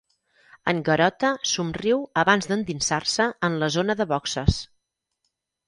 En Garota somriu abans d'endinsar-se en la zona de boxes.